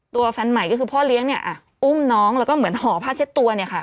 แฟนใหม่ก็คือพ่อเลี้ยงเนี่ยอุ้มน้องแล้วก็เหมือนห่อผ้าเช็ดตัวเนี่ยค่ะ